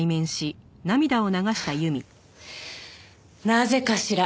なぜかしら？